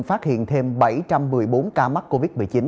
phát hiện thêm bảy trăm một mươi bốn ca mắc covid một mươi chín